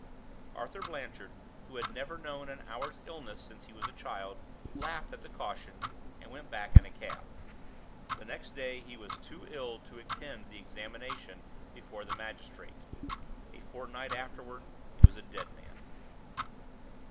Arthur Blanchard, who had never known an hour's illness since he was a child, laughed at the caution, and went back in a cab. The next day he was too ill to attend the examination before the magistrate. A fortnight afterward he was a dead man.